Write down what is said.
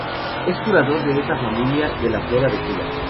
Es curador de esa familia de la Flora de Cuba.